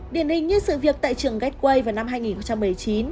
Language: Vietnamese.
điển hình như sự việc tại trường gateway vào năm hai nghìn một mươi chín